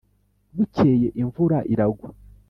Bukeye imvura iragwa.